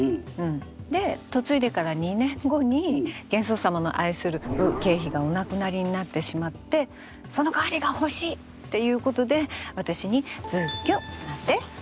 で嫁いでから２年後に玄宗様の愛する武恵妃がお亡くなりになってしまってその代わりが欲しいということで私にズッキュンなんです。